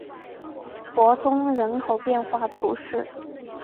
伯宗人口变化图示